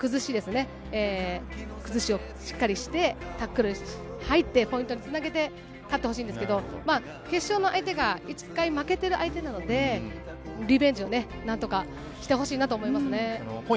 崩しをしっかりしてタックルに入ってポイントにつなげて勝ってほしいんですけど、決勝の相手が１回負けてる相手なのでリベンジを何とかしてほしいなと思います。